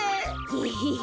ヘヘヘ。